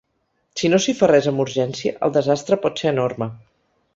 Si no s’hi fa res amb urgència, el desastre pot ser enorme.